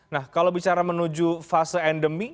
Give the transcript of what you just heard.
nah kalau bicara menuju fase endemi